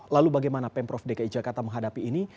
lalu bagaimana pemprov dki jakarta menghadapi ini